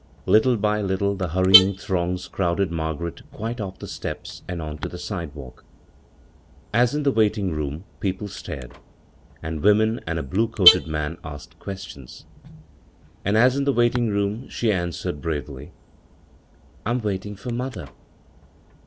Little by little the hunying throngs crowded Margaret quite off the steps and on to the sidewalk. As in the waiting room, people stared, and women and a blue coated man asked questions ; and as in the waiting room she answered bravely, " I'm waiting for mother."